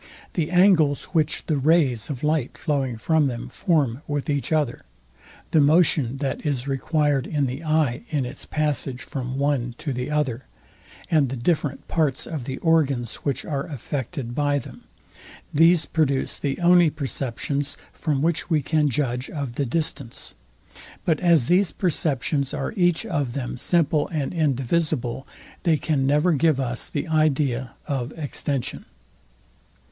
The angles, which the rays of light flowing from them, form with each other; the motion that is required in the eye, in its passage from one to the other; and the different parts of the organs, which are affected by them; these produce the only perceptions, from which we can judge of the distance. But as these perceptions are each of them simple and indivisible, they can never give us the idea of extension.